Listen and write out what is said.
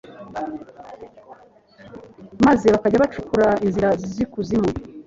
maze bakajya bacukura inzira z'ikuzimu